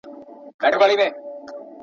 صدقې ورکړئ، که څه هم له خپلو ګيڼو څخه مو وي.